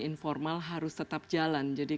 informal harus tetap jalan jadi